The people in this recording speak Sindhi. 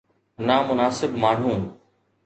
نامناسب ماڻهو